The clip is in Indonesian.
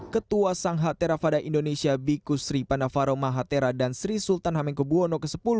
ketua sangha theravada indonesia bikusri pandavaro mahathira dan sri sultan hamengkubwono x